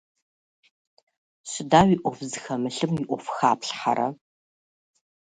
Почему вы вмешиваетесь не в своё дело?